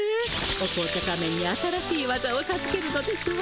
お紅茶仮面に新しい技をさずけるのですわ。